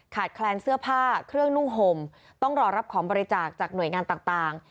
แคลนเสื้อผ้าเครื่องนุ่งห่มต้องรอรับของบริจาคจากหน่วยงานต่าง